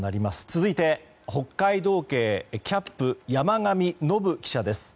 続いて、北海道警キャップ山上暢記者です。